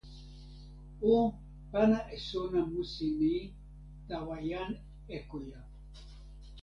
o pana e sona musi ni tawa jan Ekoja.